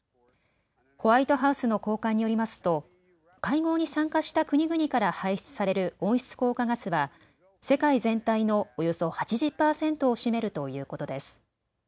ホワイトハウスの高官によりますと会合に参加した国々から排出される温室効果ガスは世界全体のおよそ８０％を占めるということです。